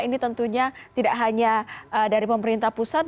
ini tentunya tidak hanya dari pemerintah pusat